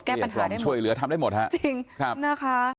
แก้ปัญหาได้หมดช่วยเหลือทำได้หมดฮะจริงครับนะคะ